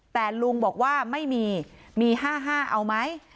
แต่ลุงบอกว่าไม่มีมี๕๕เอาไหม